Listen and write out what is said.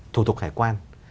thủ tục khải quan